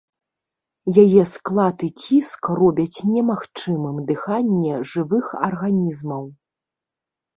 Яе склад і ціск робяць немагчымым дыханне жывых арганізмаў.